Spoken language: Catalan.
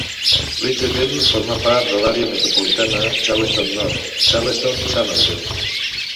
Ridgeville forma part de l'àrea metropolitana de Charleston-North Charleston-Summerville.